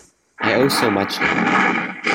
I owe so much to him.